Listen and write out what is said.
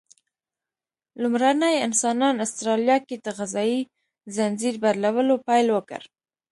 لومړني انسانان استرالیا کې د غذایي ځنځیر بدلولو پیل وکړ.